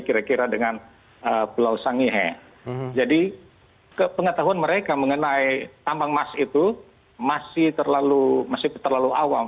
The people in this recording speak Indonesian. kira kira dengan pulau sangihe jadi pengetahuan mereka mengenai tambang emas itu masih terlalu masih terlalu awam